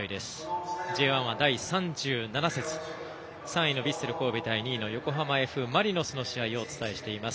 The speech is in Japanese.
３位のヴィッセル神戸対２位の横浜Ｆ・マリノスの試合をお伝えしています。